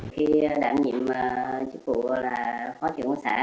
khi đảm nhiệm chức vụ là phó trưởng xã